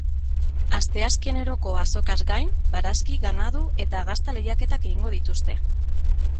Asteazkeneroko azokaz gain, barazki, ganadu eta gazta lehiaketak egingo dituzte.